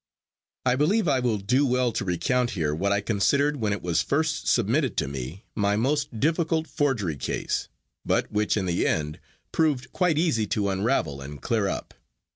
I believe I will do well to recount here what I considered, when it was first submitted to me, my most difficult forgery case, but which in the end proved quite easy to unravel and clear up.